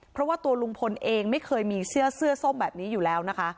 เพราะว่าตัวลุงพลเองไม่เคยมีเสื้อเสื้อส้มแบบนี้อยู่แล้วนะคะ